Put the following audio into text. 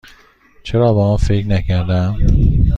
چرا به آن فکر نکردم؟